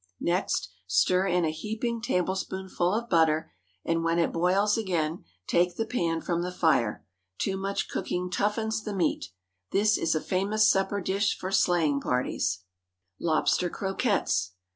Next stir in a heaping tablespoonful of butter, and when it boils again, take the pan from the fire. Too much cooking toughens the meat. This is a famous supper dish for sleighing parties. LOBSTER CROQUETTES.